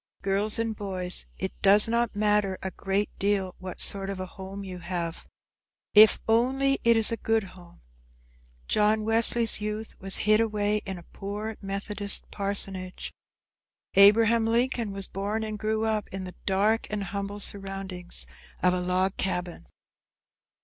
Girls and boys, it does not matter a great deal what sort of a home you have, if only it is a good home. John Wesley's youth was hid away in a poor Methodist parsonage. Abraham Lincoln was born and grew up in the dark and humble surroundings of a log cabin.